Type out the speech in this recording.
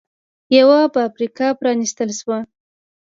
یوه فابریکه پرانېستل شوه